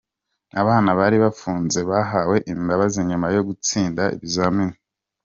Abana bari bafunze bahawe imbabazi nyuma yo gutsinda ibizamini.